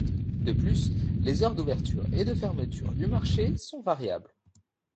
De plus, les heures d'ouverture et de fermeture du marché sont variables.